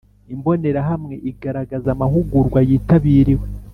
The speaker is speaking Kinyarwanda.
Imbonerahamwe igaragaza amahugurwa yitabiriwe